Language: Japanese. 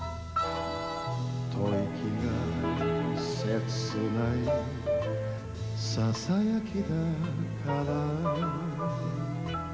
「吐息が切ない囁きだから」